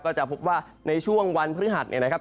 ก็จะพบว่าในช่วงวันพฤหัสเนี่ยนะครับ